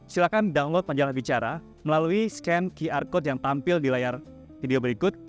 silahkan download majalah bicara melalui scan qr code yang tampil di layar video berikut